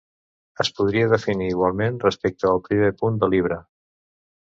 Es podria definir igualment respecte al primer punt de Libra.